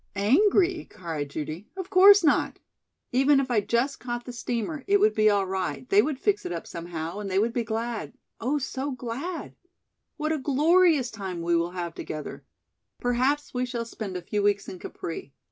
"Angry?" cried Judy. "Of course not. Even if I just caught the steamer, it would be all right, they would fix it up somehow, and they would be glad oh, so glad! What a glorious time we will have together. Perhaps we shall spend a few weeks in Capri.